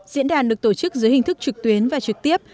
diễn đàn được tổ chức dưới hình thức trực tuyến và trực tiếp